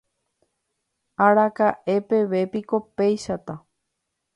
araka'epevépiko péichata